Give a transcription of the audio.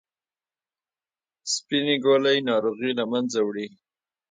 سپینې ګولۍ ناروغي له منځه وړي.